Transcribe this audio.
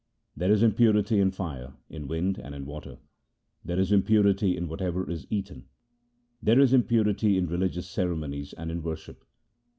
There is impurity in fire, in wind, and in water ; There is impurity in whatever is eaten ; There is impurity in religious ceremonies and in worship.